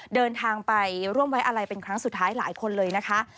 เดินทางไปร่วมไว้อะไรเป็นครั้งสุดท้ายหลายคนเลยนะคะ